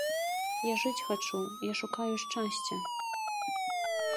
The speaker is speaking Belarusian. Я жыць хачу, я шукаю шчасця!